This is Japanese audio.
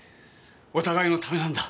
お互いのためなんだ。